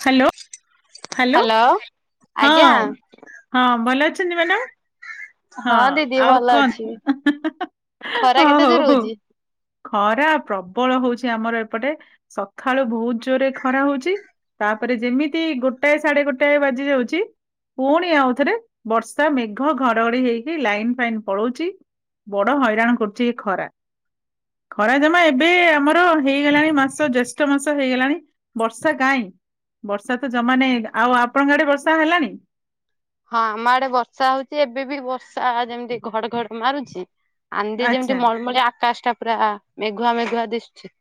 Hello hello hello. ହଁ ଆଜ୍ଞା ହଁ ଭଲ ଅଛନ୍ତି। ମ୍ୟାଡ଼ାମ? ହଁ ଦିଦି ଆଉ ଭଲ କଣ ଅଛି ଖରା ହଁ କେତେ ହଉ ଜୋର ହଉ। ହଉଛି? ଖରା ପ୍ରବଳ ହଉଛି ଆମର ଏପଟେ ସକାଳୁ ବହୁତ ଜୋରେ ଖରା ହଉଛି। ତାପରେ ଯେମିତି ଗୋଟାଏ ସାଢେ ଗୋଟାଏ ବାଜି ଯାଉଛି। ପୁଣି ଆଉଥରେ ବର୍ଷା ମେଘ ଘ ଡଘଡି ହେଇକି ଲାଇନ ଫାଇନ୍ ପଳଉଛି ବଡ ହଇରାଣ କରୁଛି ଏ ଖରା। ଖରା ଜମା ଏବେ ଆମର ହେଇଗଲାଣି ମାସ ଜ୍ୟେଷ୍ଠ ମାସ ହେଇଗଲାଣି। ବର୍ଷା କାହିଁ ବର୍ଷା ତ ଜମା ନାଇ ଆଉ ଆପଣଙ୍କ ଆଡେ ବର୍ଷା ହେଲାଣି? ହଁ ଆମ ଆଡେ ବର୍ଷା ହଉଛି ଏବେ ବି ବର୍ଷା ଯେମିତି ଘଡ ଘଡ ମାରୁଛି। ଆଧି ଯେମିତି ଆଚ୍ଛା ମଳମଳି ଆକାଶ ଟା ପୁରା ମେଘୁଆ ମେଘୁଆ ଦିଶୁଛି।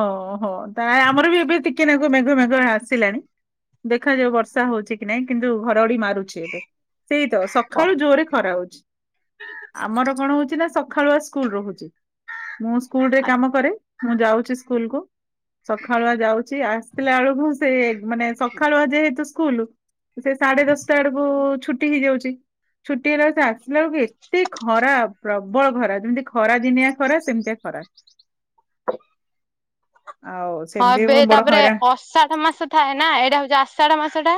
ଓହୋ ତାହେଲେ ଆମର ବି ଏବେ ଟିକେ ନାକୁ ମେଘ ମେଘ ଆସିଲାଣି। ଦେଖାଯାଉ ବର୍ଷା ହଉଛି କି ନାଇଁ କିନ୍ତୁ ଘରଡି ମାରୁଛି ଏବେ ସେଇ ତ ହଁ ସକାଳୁ ଜୋରେ ଖରା ହଉଛି ଆମର କଣ ହଉଛି ନା ସକାଳୁଆ ସ୍କୁଲ ରହୁଛି। ମୁଁ ସ୍କୁଲରେ କାମ କରେ ମୁଁ ଯାଉଛି ସ୍କୁଲକୁ। ସକାଳୁଆ ଯାଉଛି ଆସିିଲ ବେଳକୁ ସେ ମାନେ ସକାଳୁଆ ଯେହେତୁ ସ୍କୁଲ ସେ ସାଢେ ଦଶଟା ବେଡକୁ ଛୁଟି ହେଇଯାଉଛି ଛୁଟି ହେଲା ବଳେ ସେ ଆସିଲା ବେଳକି ଏ ଟେ ଖରା ପ୍ରବଳ ଖରା ଯେମିତି ଖରା ଦିନିଆ ଖରା ସେମିତିଆ ଖରା। ଆଉ ହଁ ସେମିତି ଏବେ ବଡ ତାପରେ ଖରା ଅଷାଢ ମାସ ଥାଏ ନା ଏଇଟା ହଉଛି ଆଷାଢ ମାସ ଟା।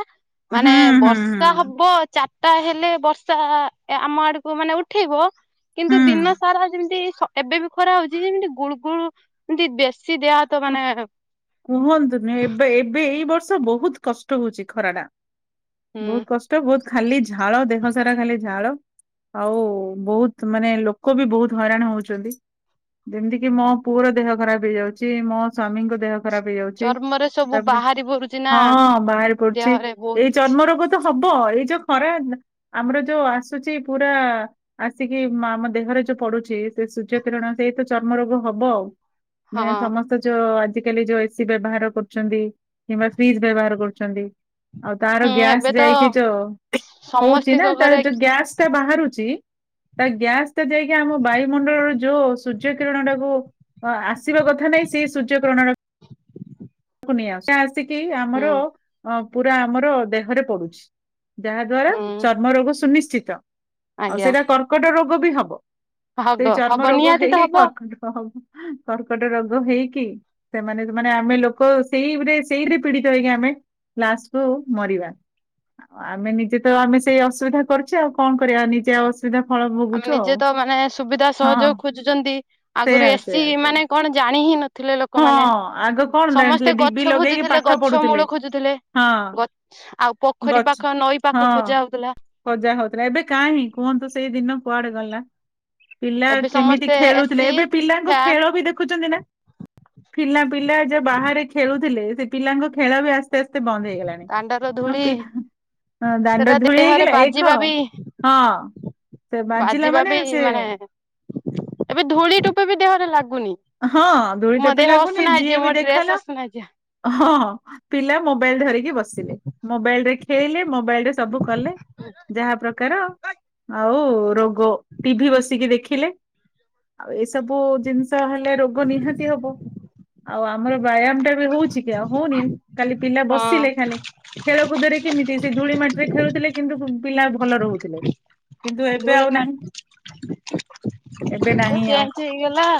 ହୁଁ ମାନେ ହୁଁ ବର୍ଷା ହୁଁ। ହବ ଚାର ତା ହେଲେ ବର୍ଷା ଆମ ଆଡକୁ ମାନେ ଉଠେଇବ କିନ୍ତୁ ଦିନ ହୁଁ ସାରା ଯେମିତି ସ ଏବେ ବି ଖରା ହଉଛି ଯେ ଯେମିତି ଗୁଳୁ ଗୁଳୁ ଏମିତି ବେଶୀ ଦେହ ତ ଓଃ ମାନେ କୁହନ୍ତୁନି ଏବେ ଏବେ ଏଇ ବର୍ଷ ବହୁତ କଷ୍ଟ ହଉଛି ଖରା ଟା। ହୁଁ ବହୁତ କଷ୍ଟ, ବହୁତ ଖାଲି ଝାଳ ଦେହ ସାରା ଖାଲି ଝାଳ। ଆଉ ବହୁତ ମାନେ ଲୋକ ବି ବହୁତ ହଇରାଣ ହଉଛନ୍ତି। ଯେମତି କିି ମୋ ପୁଅର ଦେହ ଖରାପ ହେଇଯାଉଛି, ମୋ ସ୍ଵାମୀଙ୍କ ଦେହ ଖରାପ ହେଇଯାଉଛି, ଚର୍ମରେ ସବୁ ତାପରେ ବାହାରି ପଡୁଛି ନା ହଁ ବାହାରି ପଡୁଛି ଦେହରେ ବହୁତ ଏଇ କିଛି ଚର୍ମ ରୋଗ ତ ହବ ଏଇ ଯୋଉ ଖରା ଆମର ଯୋଉ ଆସୁଛି ପୁରା ଆସିକି ଆମ ଦେହରେ ଯୋଉ ପଡୁଛି, ସେ ସୂର୍ଯ୍ୟ କିରଣ ସେଇତ ଚର୍ମ ରୋଗ ହବ ଆଉ। ହଁ [unintelligible] ଏସ ଯୋଉ ଆଜିକାଲି ଯୋଉ ଏ ସି ବ୍ୟବହାର କରୁଛନ୍ତି କିମ୍ବା ଫ୍ରିଜ ବ୍ୟବହାର କରୁଛନ୍ତି। ଆଉ ତାର ହୁଁ ଗ୍ୟାସ୍ ଏବେ ତ ଯାଇକି ଯୋଉ, ହଉଛି ନା ସମସ୍ତିଙ୍କ ତାର ଘରେ ଯୋଉ ଗ୍ୟାସ ବାହାରୁଛି। ତା ଗ୍ୟାସ୍ ଟ ଯାଇକି ଆମ ବାୟୁମଣ୍ଡଳର ଯୋଉ ସୂର୍ଯ୍ୟ କିରଣ ଟାକୁ ଅ ଆସିବା କ କଥା ନାଇଁ ସେଇ ସୂର୍ଯ୍ୟକିରଣ କୁ ନିଆ ଆସିକି ହୁଁ ଆମର ଅ ପୁରା ଆମର ଦେହରେ ପଡୁଛି। ଯାହା ଦ୍ଵାରା ହୁଁ ଚର୍ମ ରୋଗ ସୁନିଶ୍ଚିତ, ଆଉ ଆଜ୍ଞା ସେଇଟା କର୍କଟ ରୋଗ ବି ହବ। ସେ ହବ ଚର୍ମ ହବ ରୋଗ ନିହାତି ହେଇ ତ ହେଇ ହବ କର୍କଟ ହବ୍। କର୍କଟ ରୋଗ ହେଇକି, ସେମାନେ ମାନେ ଆମେ ଲୋକ ଲୋକ ସେଇରେ ସେଇରେ ପୀଡିତ ହେଇକି ଆମେ ଲାଷ୍ଟ କୁ ମରିବା। ଆମେ ନିଜେ ତ ଆମେ ସେଇ ଅସୁବିଧା କରଛେ ଆଉ କଣ କରିବା ନିଜେ ଆଉ ଅସୁ ସୁବିଧା ଫଳ ଆମେ ଭୋଗୁଛୁ ଆଉ। ନିଜେ ତ ମାନେ ସୁବିଧା ହଁ ସହଯୋଗ ଖୋଜୁଛନ୍ତି, ଆଗରୁ ସେଇଆ ଏସି ସେଇଆ ସେଇଆ ମାନେ କଣ ଜାଣି ହିଁ ନ ଥିଲେ ହଁ ଲୋକମାନେ, ଆଗ କଣ ଜାଣିଥିଲେ ସମସ୍ତେ ଡିବି ଗଛ ଲଗେଇକି ଖୋଜୁଥିଲେ ପାଠ ଗଛ ପଢୁଥିଲେ। ମୂଳ ଖୋଜୁଥିଲେ। ହଁ ଗଛ ଆଉ ପୋଖରୀ ପାଖ ନଈ ପାଖ ଖୋଜା ହଉଥିଲା। ଖଜା ହଉଥିଲା, ଏବେ କାହିଁଁ କୁହନ୍ତୁ ସେଇ ଦିନ କୁଆଡେ ଗଲା। ପିଲା ଏବେ କେମିତି ସମସ୍ତେ ଖେଳୁଥିଲେ, ଏସି ଏବେ ପିଲାଙ୍କ ଫ୍ୟାନ ଖେଳ ବି ଦେଖୁଛନ୍ତି ନା? ପିଲା ପିଲା ଯୋଉ ବାହାରେ ଖେଳୁଥିଲେ, ସେ ପିଲାଙ୍କ ଖେଳ ବି ଆସ୍ତେ ଆସ୍ତେ ବନ୍ଦ ହେଇଗଲାଣି। ଦାଣ୍ଡର ହଁ ଧୂଳି, ପି ଦାଣ୍ଡ ସେଟା ଧୂଳି ଦେହରେ ହେଇଗଲା ଏକ ବାଜିବା ବି ହଁ ସେ ବାଜିଲା ବାଜିବା ବି ସେ ମାନେ, ଏବେ ଧୂଳି ଟୋପା ବି ଦେହରେ ଲାଗୁନି। ହଁ ଧୁଳି ମୋ ଟୋପେ ଦେହ ଲାଗୁନି, ଅସନା ଯିଏ ହେଇଯିବ ମୋ ବି ଡ୍ରେସ ଦେଖଲା ଅସନା ହେଇଯିବ। ହଁ ପିଲା ମୋବାଇଲ ଧରିକି କି ବସିଲେ, ମୋବାଇଲ ରେ ଖେଳିଲେ, ମୋବାଇଲ ରେ ସବୁ କଲେ ଯାହା ପ୍ରକାର ଆଉ ରୋଗ, ଟି ଭି ବସିକି ଦେଖିଲେ, ଆଉ ଏସବୁ ଜିନିଷ ଲେ ରୋଗ ନିହାତି ହବ, ଆଉ ଆମର ବ୍ୟାୟାମ ଟା ବି ହଉଛି କି ଆଉ ହଉନି। କାଲି ପିଲା ବସିଲେ ହଁ ଖାଲି। ଖେଳକୁଦରେ କେମିତି ସେ ଧୂଳି ମାଟିରେ ଖେଳୁଥିଲେ କିନ୍ତୁ ପିଲା ଭଲ ରହୁଥିଲେ। କିନ୍ତୁ ଏବେ ଧୂଳି ଆଉ ନାହିଁ। ମାଟି ଏବେ ନାହିଁ ଆଉ ଚେଞ୍ଜ ହେଇଗଲା।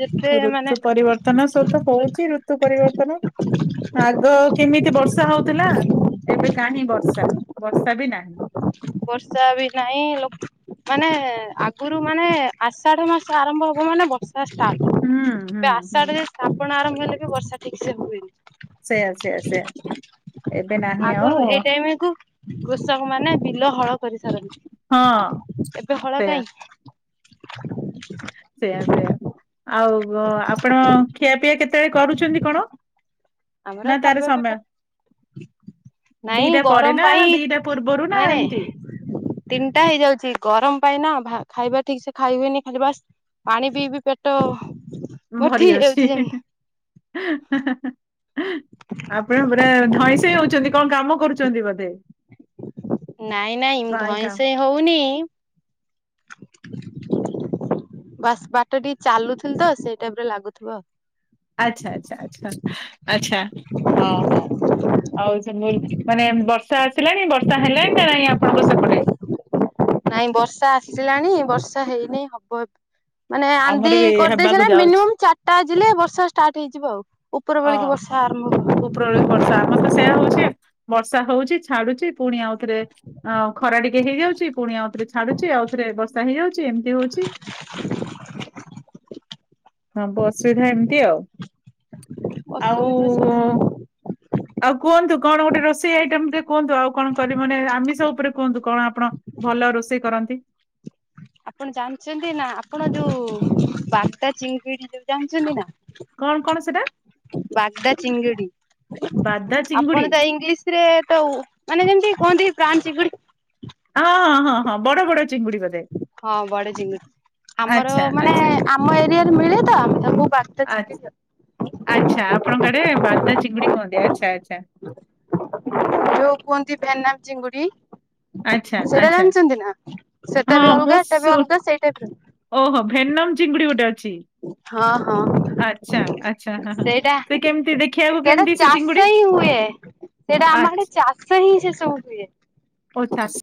ଯେତେ ମାନେ ଋତୁ ପରିବର୍ତ୍ତନ ସହିତ୍ ହଉଛି, ଋ ରୂତୁ ପରିବର୍ତ୍ତନ, ଆଗ କେମିତି ବର୍ଷା ହଉଥିଲା ଏବେ କାହିଁ ବର୍ଷା, ବର୍ଷା ବି ନାହିଁ। ବର୍ଷା ବି ନାହିଁ ଲୋକ ମାନେ ଆଗରୁ ମାନେ ଆଷାଢ ମାସ ଆରମ୍ଭ ହବ ମାନେ ବର୍ଷା ଷ୍ଟାଟ ହୁଁ ହୁଁ ଏବେ ହୁଁ ଆଷାଢ ରେ ଶ୍ରାବଣ ଆରମ୍ଭ ହେଲେ ବି ବର୍ଷା ଠିକ ସେ ହୁଏନି। ସେଇଆ ସେଇଆ ସେଇଆ। ଆଗରୁ ଏଇ ଟାଇମ କୁ କୃଷକ ମାନେ ବିଲ ହଳ କରିସାରନ୍ତି ହଁ ଏବେ ହଳ କାଇଁ। ସେଇୟା ସେଇୟା ଆଉ ଆପଣ ଖିଆପିଆ କେତେବେଳେ କରୁଚନ୍ତି କଣ। ଆମର ନା ତାର ଖାଇବା ସମୟ ପିଇବା ନାଇଁ ଦିଟା ପରେ ଗରମ ନା ପାଇଁ ଦିଟା ପୂର୍ବରୁ ନା ଏମିତି ନାଇଁ ତିନିଟା ହେଇଯାଉଚି ଗରମ ପାଇଁ ନା ଭା ଖାଇବା ଠିକ ସେ ଖାଇ ହୁଏନି ଖାଲି ବାସ୍ ପାଣି ପିଇ ପି ପେଟ ଭରି ଭର୍ତ୍ତି ହେଇ ଯାଉଛି। ଯାଉଚି ଯେ [inaudible] ଆପଣ ପୁରା ଧଇଁ ସଇଁ ହଉଚନ୍ତି କଣ କାମ କରୁଚନ୍ତି ବୋଧେ। ନାଇଁ ନାଇଁ କାଇଁ ଧଇଁ କାମ ସଇଁ ହଉନି ବାସ୍ ବାଟରେ ଟିକେ ଚାଲୁଥିଲି ତ ସେଇ ଟାଇପ ର ଲାଗୁଥିବ। ଆଚ୍ଛା ଆଛା ଆଛା ଆଛା ହଁ ହଁ। ଆଉ ସେ ମି ମାନେ ବର୍ଷା ଆସିଲାଣି ବର୍ଷା ହେଲାଣି ନା ନାଇଁ ଆପଣଙ୍କ ସେପଟେ। ନାହିଁ ବର୍ଷା ଆସିିଲାଣି ବର୍ଷା ହେଇନି ହବ ଏବ ମାନେ ଆନ୍ଦି ଆମର ବି କରିଦେଇ ହେବାକୁ ସାରିଲାଣି ଯାଉଛି ମିନିମମ୍ ଚାରିଟା ଆଯିଲେ ବର୍ଷା ଷ୍ଟାର୍ଟ ହେଇଯିବ ଆଉ। ଉପର ବେଳିକି ବର୍ଷା ଓହୋ ଆରମ୍ଭ ହବ ଉପର ଓଳି ବର୍ଷା ଆମର ତ ସେଇୟା ହଉଚି ବର୍ଷା ହଉଚି ଛାଡୁଚି ପୁଣି ଆଉଥରେ ଆଁ ଖରା ଟିକେ ହେଇଯାଉଚି ପୁଣି ଆଉ ଥରେ ଛାଡୁଚି ଆଉଥରେ ବଷା ହେଇଯାଉଚି ଏମିତି ହଉଚି। ସବୁ ଅସୁବିଧା ଏମିତି ଆଉ। ଆଉ ଅସୁବିଧା ସବୁ ଆଉ କୁହନ୍ତୁ କଣ ଗୋଟେ ରୋଷେଇ ଆଇଟମ ଟେ କୁହନ୍ତୁ ଆଉ କଣ କରି ମାନେ ଆମିଷ ଉପରେ କୁହନ୍ତୁ କଣ ଆପଣ ଭଲ ରୋଷେଇ କରନ୍ତି। ଆପଣ ଜାଣିଚନ୍ତି ନା ଆପଣ ଯୋଉ ବାଗଦା ଚିଙ୍ଗିଡି ଯୋଉ ଜାଣିଛନ୍ତି କଣ କଣ ସେଟା ନା ବାଗଦା ଚିଙ୍ଗୁଡି ବାଦା ଚିଙ୍ଗୁଡି ଆପଣ ତା ଇଂଲିଶ ସରେ ତ ଉ ମାନେ ଯେମିତି କୁହନ୍ତି ପ୍ରାନ୍ ଚିଙ୍ଗୁଡ଼ି ହଁ ହଁ ହଁ ହଁ ବଡ ବଡ ଚିଙ୍ଗୁଡି ଗ ହଁ ବଡ଼ ଚିଙ୍ଗୁଡ଼ି। ଆମର ଆଚ୍ଛା ମାନେ ଆଚ୍ଛା ଆମ ଏରିଆରେ ମିଳେ ତ ଆମେ ତାକୁ ବାଗଦା ଆଚ୍ଛା ଚିଙ୍ଗିଡି ଆଚ୍ଛା ଆପଣଙ୍କ ଆଡେ ବାଗଦା ଚିଙ୍ଗୁଡି କୁହନ୍ତି ଆଚ୍ଛା ଆଚ୍ଛା। ଯୋଉ କୁହନ୍ତି ଭେନ୍ନାମ ଚିଙ୍ଗୁଡି। ଆଚ୍ଛା ସେଇଟା ଆଚ୍ଛା ଜାଣିଚନ୍ତି ନା ସେଟା ହଁ ବି ମୁଁ ଅଲଗା ଏଟା ବି ଶୁ ଅଲଗା ସେଇଟା କୁ ଓହୋ ଭେନମ ଚିଙ୍ଗୁଡି ଗୋଟେ ଅଛି। ହଁ ହଁ ଆଛା ଆଚ୍ଛା ହ ହ ସେଇଟା ସେ କେମିତି ଦେଖିବାକୁ ସେଇଟା କେମିତି ସେ ଚିଙ୍ଗୁଡି ଚାଷ ହିଁ ହୁଏ ସେଟା ଆମ ଆଡେ ଆଚ୍ଛା ଚାଷ ହିଁ ସେ ସବୁ ହୁଏ। ଓ ଚାସ୍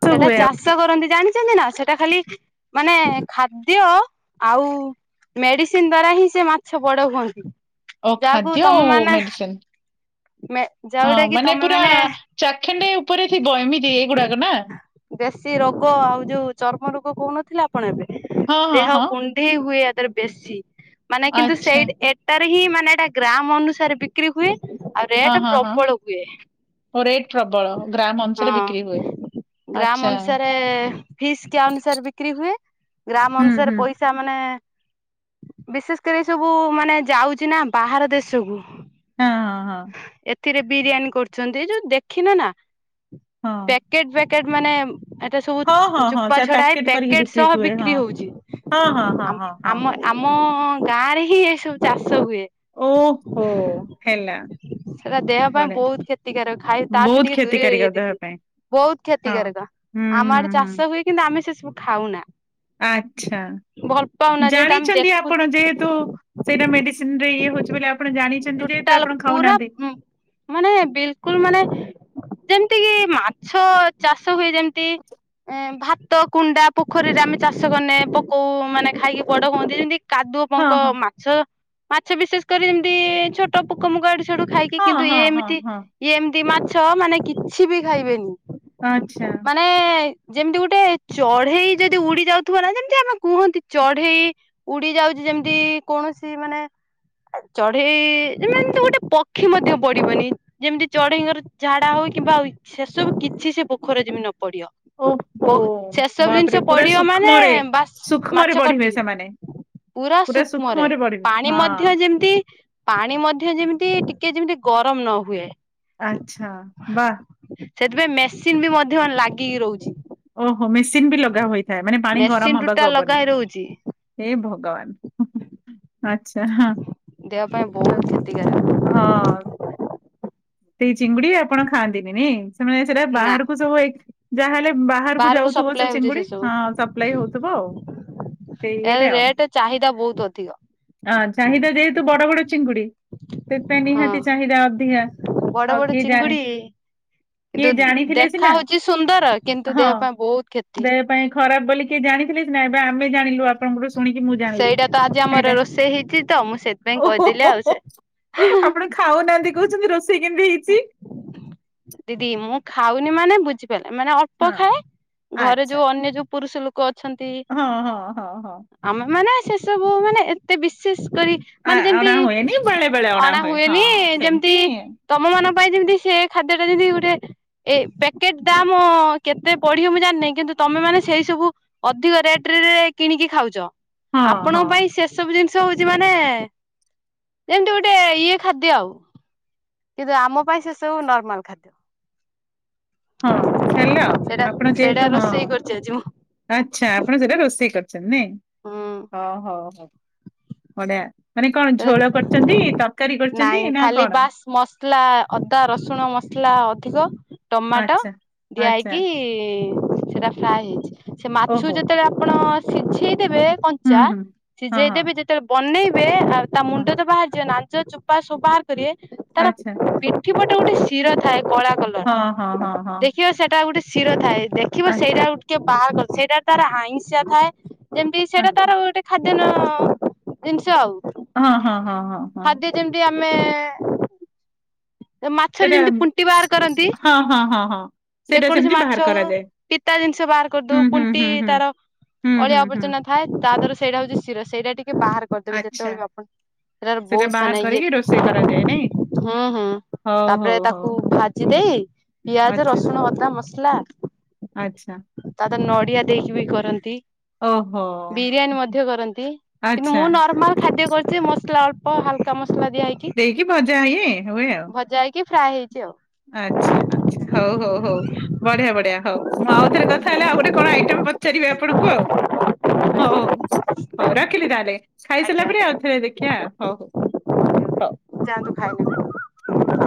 ସେଟା ଚାଷ କରନ୍ତି ଜାଣିଚନ୍ତି ନା ସେଟା ଖାଲି ମାନେ ଖାଦ୍ୟ ଆଉ ମେଡିସିନ ଦ୍ଵାରା ହିଁ ସେ ମାଛ ବଡ ହୁଅନ୍ତି। ଓ ଯାହାକୁ ଖାଦ୍ୟ ତମେ ଆଉ ମାନେ ମେ ମେଡିସିନ ହଁ ଯୋଉଟା କି ମାନେ ତମେ ପୁରା ଚାଖେଣ୍ଡେ ଉପରେ ଥିବ ଏମିତି ଏଗୁଡାକ ନା। ବେଶୀ ରୋଗ ଆଉ ଯୋଉ ଚର୍ମ ରୋଗ କହୁନଥିଲେ ଆପଣ ଏବେ ହଁ ହଁ ଦେହ ହଁ କୁ ଣ୍ଡେଇ ହୁଏ ୟା ଦେରେ ବେଶୀ ମାନେ କିନ୍ତୁ ଆଚ୍ଛା ସେଇଟ ଏ ଟାରେ ହିଁ ମାନେ ଏଇଟା ଗ୍ରାମ ଅନୁସାରେ ବିକ୍ରି ହୁଏ ଆଉ ହଁ ରେଟ ହଁ ହଁ ପ୍ରବଳ ହୁଏ। ଓ ରେଟ୍ ପ୍ରବଳ ଅ ନୁସାରେ ହଁ ବିକ୍ରି ହୁଏ। ଗ୍ରାମ ଆଚ୍ଛା ଅନୁସାରେ ଫିସ୍ କିଆ ଅନୁସାରେ ବିକ୍ରି ହୁଏ ଗ୍ରାମ ହୁଁ ଅନୁସାରେ ହୁଁ ପଇସା ମାନେ ବିଶେଷ କରି ସବୁ ମାନେ ଯାଉଚି ନା ବାହାର ଦେଶକୁୁ ହେଁ ହଁ ହଁ ଏଥିରେ ବିରିୟାନୀ କରୁଚନ୍ତି ଯୋଉ ଦେଖିନ ନା ହଁ। ପ୍ୟାକେଟ ପ୍ୟାକେଟ ମାନେ ଏଟା ହଁ ସବୁ ହଁ ହଁ ଚୁପା ସେ ଛଡା ହେଇ କରିକି ପ୍ୟାକେଟ ସହ ହୁଏ ହଁ ବିକ୍ରି ହଉଚି ହଁ ହଁ ହଁ ଆମ୍ ହଁ ହଁ। ଆମ ଆମ ଗାଁ ରେ ହିଁ ଏସବୁ ଚାଷ ହୁଏ। ଓହୋ ହେଲା। ସେଟା ଦେହ ପାଇଁ ବଢିଆ ବହୁତ କ୍ଷତିକାରକ ଖାଇ ତାଠୁ ବହୁତ ଟିକେ ଦୂରେରେ କ୍ଷତିକାରିକ ରହିବେ ଦେହ ଦିଦି। ପାଇଁ ବହୁତ ହଁ। କ୍ଷତିକାରକ ହୁଁ ଆମ ହୁଁ ଆଡେ ହୁଁ ଚାଷ ହୁଏ କିନ୍ତୁ ଆମେ ସେ ସବୁ ଖାଉନା। ଆଚ୍ଛା ଭଲ ପାଉନା ଯେହେତୁ ଆମେ ଜାଣିଛନ୍ତି ଦେଖୁ ଆପଣ ଯେହେତୁ ସେଇଟା ମେଡିସିନ ରେ ଇଏ ହଉଛି ବୋଲି ଆପଣ ଜାଣିଛନ୍ତି ଯେତୁ ଟୋଟାଲ ଆପଣ ପୁରା ଖାଉନାହାନ୍ତି। ମାନେ ବିଲକୁଲ ମାନେ ଯେମିତି କିି ମାଛ ଚାଷ ହୁଏ ଯେମିତି ଭାତ କୁଣ୍ଡା ପୋଖରୀରେ ଆମେ ଚାଷ କନେ ପକଉ ମାନେ ଖାଇକି ବଡ ହୁନ୍ତି ଯେମିତି କାଦୁଅ ହଁ ପଙ୍କ ହଁ। ମାଛ ମାଛ ବିଶେଷ କରି ଏମିତି ଛୋଟ ପୋକ ମୁକ ୟାଡୁ ସ୍ୟାଡୁ ଖାଇକ କିନ୍ତୁ ଇଏ ଏମିତି ଇ ଏମିତି ମାଛ ମାନେ କିଛି ବି ଖାଇବେନି। ଆଚ୍ଛା। ମାନେ ଯେମିତି ଗୋଟେ ଚଢେଇ ଯଦି ଉଡି ଯାଉଥିବ ନା ଯେମିତି ଆମେ କୁହନ୍ତି ଚଢେଇ ଉଡି ଯାଉଛି ଯେମତି କୌଣସି ମାନେ ଚଢେଇ ମାନେ ତ ଗୋଟେ ପକ୍ଷୀ ମଧ୍ୟ ପଡିବନି। ଯେମିତି ଚଢେଇଙ୍କର ଝାଡା ହଉ କିମ୍ବା ସେସବୁ କିଛି ସେ ପୋଖରୀରେ ଯେମିତି ନ ପଡିବ। ବ ସେସବୁ ଜିନିଷ ପଡିବ ମାନେ ସୂକ୍ଷ୍ମରେ ବାସ୍ ସୂକ୍ଷ୍ମରେ ମାଛ ପଢିବେ କଟିଯିବ। ସେମାନେ ପୁରା ସୂକ୍ଷ୍ମରେ ପାଣି ମଧ୍ୟ ଯେମିତି ପାଣି ମଧ୍ୟ ଯେମିତି ଟିକେ ଯେମିତି ଗରମ ନ ହୁଏ। ଆଚ୍ଛା ବା। ସେଥିପାଇଁ ମେସିନ୍ ବି ମଧ୍ୟ ଲାଗିକି ରହୁଛି। ଓହୋ ମେସିନ ବି ଲଗା ହୋଇଥାଏ ମାନେ ପାଣି ମେସିନ ଗରମ ଟୁଟା ହବାକୁ ଲଗା ହବନି। ହେଇ ରହୁଛି ହେ ଭଗବାନ [unintelligible] ଆଛା ହ। ଦେହ ପାଇଁ ବହୁତ କ୍ଷତିକାରକ ହଁ। ସେଇ ଚିଙ୍ଗୁଡି ଆପଣ ଖାଆନ୍ତିନି ନାଇଁ ସେମାନେ ସେଟା ନା ବାହାରକୁ ସବୁ ଯାହାହେଲେ ବାହାରକୁ ଯାଉଥିବ ସେ ଚିଙ୍ଗୁଡି ହଁ ସପ୍ଲାଇ ହଉଥିବ ଆଉ। ସେଇ ଏ ଇଏରେ ଆଉ ରେଟ୍ ଚାହିଦା ବହୁତ ଅଧିକ। ହଁ ଚାହିଦା ଯେହେତୁ ବଡ ବଡ ଚିଙ୍ଗୁଡି ସେଥିପାଇଁ ହଁ ନିହାତି ଚାହିଦା ଅଧିକ। ବଡ ବଡ ଚିଙ୍ଗୁଡି। କିଏ କିନ୍ତୁ ଜାଣିଥିଲେ ଦେଖା ସିନା ହଉଛି ସୁନ୍ଦର କିନ୍ତୁ ହଁ ଦେହ ପାଇଁ ବହୁତ କ୍ଷତି। ଦେହ ପାଇଁ ଖରାପ ବୋଲି କିଏ ଜାଣିଥିଲେ ସିନା ଏବେ ଆମେ ଜାଣିଲୁ। ଆପଣଙ୍କଠୁ ଶୁଣିକି ମୁଁ ଜାଣିଲି ସେଇଟା ତ ଆଜି ଆମର ଏଟା ରୋଷେଇ ହେଇଛି ତ ମୁଁ ସେଥିପାଇଁ ଓ କହିଦେଲି ଆଉ ହୋହୋହୋହୋ। ସେ ଆପଣ ଖାଉନାହାନ୍ତି କହୁଛନ୍ତି ରୋଷେଇ କେମିତି ହେଇଛି। ଦିଦି ମୁଁ ଖାଉନି ମାନେ ବୁଝିପାରିଲେ ମାନେ ଅ ପ ହଁ ଖାଏ ଘରେ ଆଚ୍ଛା ଯୋଉ ଅନ୍ୟ ଯୋଉ ପୁରୁଷ ଲୋକ ଅଛନ୍ତି ହଁ ହଁ ହଁ ହଁ। ଆମେ ମାନେ ସେ ସବୁ ମାନେ ଏତେ ବିଶେଷ କରି ଆ ମାନେ ଯେମିତି ଅଣା ହୁଏନି ବେଳେ ବେଳେ ଅଣା ହୁଏ ହଁ ହୁଏନି ହଁ ସେମିତି ଯେମତି ହିଁ। ତମ ମାନଙ୍କ ପାଇଁ ଯେମିତି ସେ ଖାଦ୍ୟ ଟା ଯେମିତି ଗୋଟେ ଏ ପ୍ୟାକେଟ୍ ଦାମ କେତେ ପଢିବ ମୁଁ ଜାଣିନି କିନ୍ତୁ ତମେ ମାନେ ସେଇ ସବୁ ଅଧିକ ରେଟରେ କିଣିକି ଖାଉଛ ହଁ ହଁ ଆପଣଙ୍କ ପାଇଁ ସେ ଏ ସବୁ ଜିନିଷ ହଉଛି ମାନେ ଯେମିତି ଗୋଟେ ଇଏ ଖାଦ୍ୟ ଆଉ। କିନ୍ତୁ ଆମ ପାଇଁ ସେ ସବୁ ନର୍ମାଲ ଖାଦ୍ୟ। ହଁ ଚ୍ଛାଲ ଆଉ ସେଇଟା ଆପଣ ସେଇଟା ଯେହେତୁ ହଁ। ରୋଷେଇ କରିଛି ଆଜି ମୁଁ ଆଚ୍ଛା ଆପଣ ସେଟା ରୋଷେଇ କରିଛନ୍ତି ନାଇଁ ହୁଁ ହଁ ହଉ ହଉ ବଢିଆ। ମାନେ କଣ ଝୋଳ କରିଛନ୍ତି ତରକାରୀ କରିଛନ୍ତି ନାଇଁ ନା ଖାଲି କଣ? ବାସ୍ ମସଲା ଅଦା ରସୁଣ ମସଲା ଅଧିକ। ଟମାଟୋ ଆଚ୍ଛା ଦିଆ ହେଇକି ଆଚ୍ଛା ସେଟା ଫ୍ରାଏ ହେଇଛି। ସେ ମାଛକୁ ଯେତେବେଳେ ଆପଣ ସିଝେଇ ଦେବେ କଞ୍ଚା ସିଝେଇ ଦେବେ ସେ ବନେଇବେ ଆଉ ତା ମୁଣ୍ଡ ତ ବାହାରିଯିବ ନାଜ ଚୋପା ସବୁ ବାହାର କରିବେ ତାର ପି ପିଠି ପଟେ ଗୋଟେ ଶିରା ଥାଏ କଳା କଲର୍ ର ହଁ, ହଁ, ହଁ, ହଁ। ଦେଖିବେ ସେଟା ଗୋଟେ ଶୀର ଥାଏ ଦେଖିବେ ଆଚ୍ଛା, ସେଇଟା ଟିକେ ବାହାର କରିବେ ସେଇଟା ତାର ଆଇଁସିଆ ଥାଏ। ଯେମିତି ସେଇଟା ଆଚ୍ଛା। ତାର ଗୋଟେ ଖାଦ୍ୟ ଜିନିଷ ଆଉ। ହଁ ହଁ ହଁ ହଁ। ହଁ। ଖାଦ୍ୟ ଯେମିତି ଆମେ ମାଛରେ ସେଇଟା ଯେମିତି ପୁଣ୍ଟି ବାହାର କରନ୍ତି ହଁ ହଁ ହଁ ହଁ। ସେଇଟା ଯେକୌଣସି ସେମିତି ମାଛ ବାହାର ହଉ କରାଯାଏ ପିତା ଜିନିଷ ବାହାର ହୁଁ କରିଦଉ ହୁଁ ପୁଣ୍ଟି ହୁଁ ତାର ହୁଁ ହୁଁ ଅଳିଆ ହୁଁ। ଆବର୍ଜନା ଥାଏ ତା ଦେହର ସେଇଟା ହଉଛି ଶିର ସେଇଟା ଟିକେ ବାହାର କରିଦେବେ ଆଚ୍ଛା। ଯେତେବେଳେ ବି ଆପଣ ସେଟାରେ ସେଇଟା ବହୁତ ବାହାର ମାନେ ଇଏ କରିକି ରୋଷେଇ କରାଯାଏ ନାଇଁ? ଥାଏ ହଁ ହଁ। ହଉ, ତାପରେ ହଉ, ହଉ। ତାକୁ ଭାଜି ଦେଇ ପିଆଜ ଆଚ୍ଛା, ରସୁଣ ଅଦା ମସଲା ଆଚ୍ଛା। ତା ତ ନଡିଆ ଦେଇକି ବି କରନ୍ତି। ଓହୋ! ବିରିୟାନୀ ମଧ୍ୟ କରନ୍ତି। କିନ୍ତୁ ଆଚ୍ଛା। ମୁଁ ନର୍ମାଲ ଖାଦ୍ୟ କରୁଛି ମୋ ଅଳ୍ପ ହାଲକା ମସଲା ଦିଆ ହେଇକି। ଦେଇକି ଭଜା ହେଇ ହୁଏ ଆଉ। ଭଜାହେଇକି ଫ୍ରାଏ ହେଇଛି ଆଉ। ଆଚ୍ଛା ଆଛା ହଉ ହଉ ହଉ ବଢିଆ ବଢିଆ ହଉ। ମୁଁ ଆଉ ଥରେ କଥା ହେଲା ଆଉ ଗୋଟେ କଣ ଆଇଟମ୍ ପଚାରିବି ଆପଣଙ୍କୁ ଆଉ। ହଉ ହଉ ହଉ ରଖିଲି ତାହେଲେ ଖାଇସାରିଲା ଆଜ୍ଞା ପରେ ଆଉଥରେ ଦେଖିବା ହଉ। ହଉ ଆଜ୍ଞା ଯାଆନ୍ତୁ ଖାଇନେବେ। ହଁ।